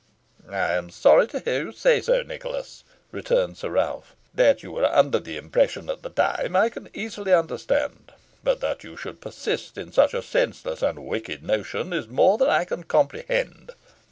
"I am sorry to hear you say so, Nicholas," returned Sir Ralph. "That you were under the impression at the time I can easily understand; but that you should persist in such a senseless and wicked notion is more than I can comprehend."